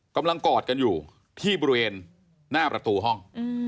กอดกันอยู่ที่บริเวณหน้าประตูห้อง